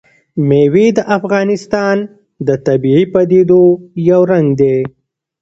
مېوې د افغانستان د طبیعي پدیدو یو رنګ دی.